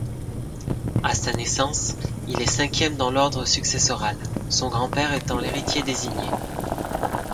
À sa naissance, il est cinquième dans l'ordre successoral, son grand-père étant l'héritier désigné.